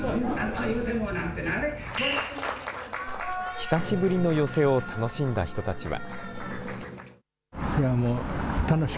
久しぶりの寄席を楽しんだ人たちは。